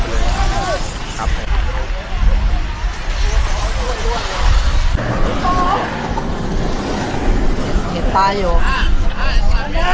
สวัสดีครับทุกคน